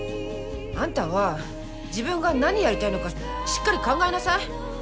あんたは自分が何やりたいのかしっかり考えなさい。